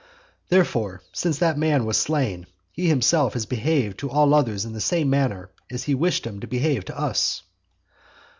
Therefore since that man was slain, he himself has behaved to all others in the same manner as he wished him to behave to us.